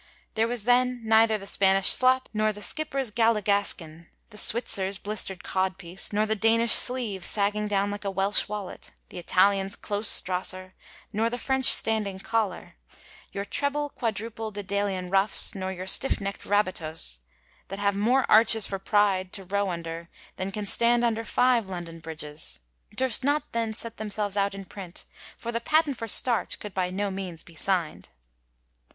There was then neither the Spanish slop, nor the skipper's galligaskin; the Switzer's blistered codpiece, nor the Danish sleeve sagging down like a Welsh wallet; the Italian's close strosser, nor the French standing collar: your treble quadruple dsedalian ruffs, nor your stiff necked rabatos, that have more arches for pride to row under, than can stand under five London Bridges, durst not then set themselves out in print, for the patent for starch could by no means be signed.'